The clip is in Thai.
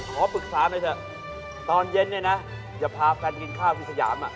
ขอปรึกษาหน่อยเถอะตอนเย็นเนี่ยนะจะพากันกินข้าวที่สยาม